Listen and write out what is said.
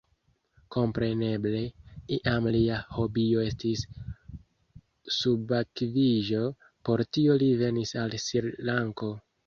Kompreneble, iam lia hobio estis subakviĝo: por tio li venis al Sri-Lanko.